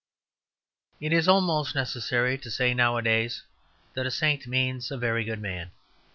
It is almost necessary to say nowadays that a saint means a very good man.